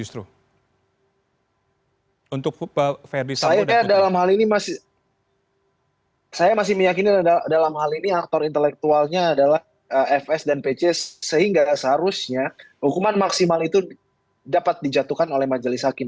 saya masih meyakini dalam hal ini aktor intelektualnya adalah fs dan pc sehingga seharusnya hukuman maksimal itu dapat dijatuhkan oleh majelis hakim